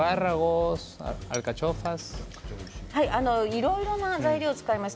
いろいろな材料を使います。